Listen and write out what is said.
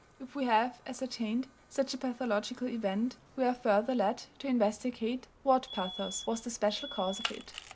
If we have ascertained such a pathological event, we are further led to investigate what pathos was the special cause of it....